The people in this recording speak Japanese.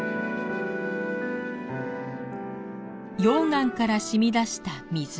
溶岩からしみ出した水。